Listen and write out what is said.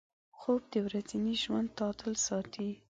خوب د ورځني ژوند تعادل ساتي